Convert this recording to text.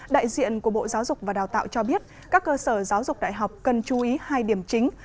đại diện của bộ giáo dục và đào tạo cho biết các cơ sở giáo dục đại học cần chú ý hai điểm chính